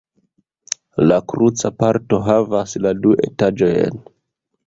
La kruca parto havas la du etaĝojn.